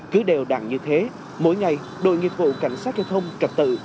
cứ đều đặn như thế mỗi ngày đội nghiệp vụ cảnh sát giao thông trật tự